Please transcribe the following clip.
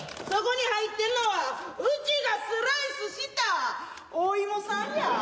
そこに入ってんのはうちがスライスしたお芋さんや。